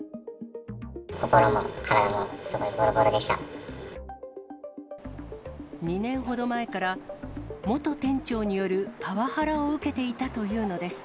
心も体もすごいぼろぼろでし２年ほど前から、元店長によるパワハラを受けていたというのです。